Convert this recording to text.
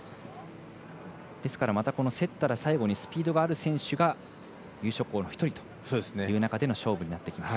ですから、競ったら最後にスピードがある選手が優勝候補の１人という中での勝負となってきます。